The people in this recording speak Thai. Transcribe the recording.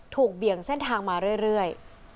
เบี่ยงเส้นทางมาเรื่อย